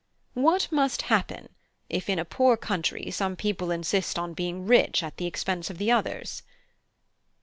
(H.) What must happen if in a poor country some people insist on being rich at the expense of the others?